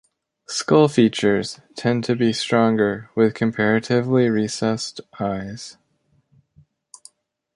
Skull features tend to be stronger, with comparatively recessed eyes.